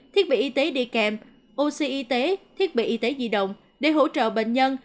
thiết bị y tế đi kèm oxy y tế thiết bị y tế di động để hỗ trợ bệnh nhân